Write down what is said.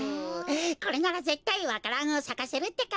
これならぜったいわか蘭をさかせるってか！